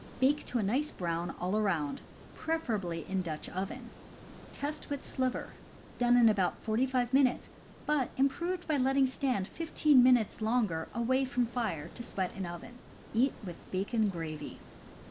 Bake to a nice brown all around, preferably in Dutch oven. Test with sliver. Done in about forty five minutes, but improved by letting stand fifteen minutes longer, away from fire, to sweat in oven. Eat with bacon gravy.